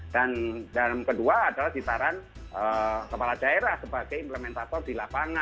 dalam kedua adalah gitaran kepala daerah sebagai implementator di lapangan